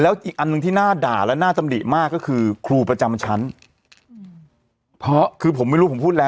อีกอันหนึ่งที่น่าด่าและน่าตำหนิมากก็คือครูประจำชั้นเพราะคือผมไม่รู้ผมพูดแล้ว